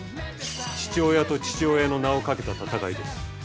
父親と父親の名をかけた戦いです。